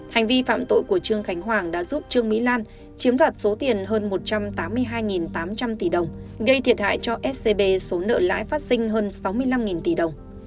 hành vi phạm tội của trương khánh hoàng đã giúp trương mỹ lan chiếm đoạt số tiền hơn một trăm tám mươi hai tám trăm linh tỷ đồng gây thiệt hại cho scb số nợ lãi phát sinh hơn sáu mươi năm tỷ đồng